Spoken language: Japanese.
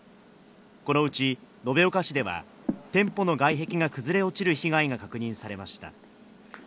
このうち延岡市では、店舗の外壁が崩れ落ちる被害が確認されました。